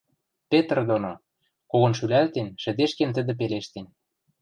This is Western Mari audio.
Петр доно... — когон шӱлӓлтен, шӹдешкен, тӹдӹ пелештен...